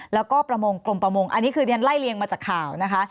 แล้วก็ประมงกลมประมงอันนี้คือเรียนไล่เรียงมาจากข่าวนะคะ